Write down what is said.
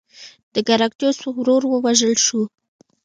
د ګراکچوس ورور ووژل شو.